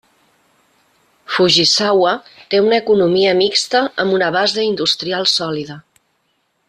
Fujisawa té una economia mixta amb una base industrial sòlida.